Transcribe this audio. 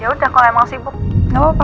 yaudah kalau emang sibuk gak apa apa